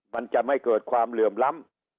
มันจะไม่เกิดความเหลื่อมล้ำ